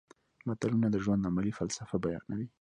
متلونه د ژوند عملي فلسفه بیانوي